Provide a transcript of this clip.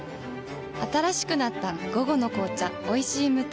新しくなった「午後の紅茶おいしい無糖」